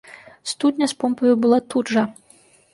Студня з помпаю была тут жа.